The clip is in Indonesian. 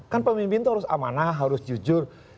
kan pemimpin itu harus amanah harus jujur